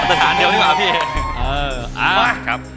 มาตรฐานเดียวที่มาพี่เอง